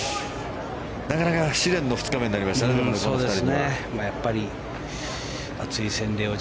なかなか試練の２日目になりましたね、この２人には。